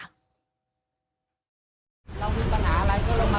นี่ไงพี่นักข่าวนี่ไง